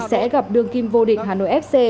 sẽ gặp đường kim vô định hà nội fc